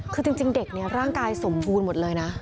คือจริงเด็กเนี่ยร่างกายสมบูรณ์หมดเลยนะ